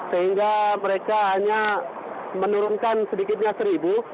sehingga mereka hanya menurunkan sedikitnya seribu